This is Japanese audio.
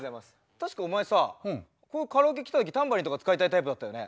確かお前さカラオケ来た時タンバリンとか使いたいタイプだったよね。